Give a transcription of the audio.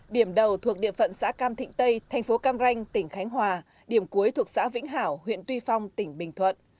điểm đầu thuộc địa phận xã cam thịnh tây thành phố cam ranh tỉnh khánh hòa điểm cuối thuộc xã vĩnh hảo huyện tuy phong tỉnh bình thuận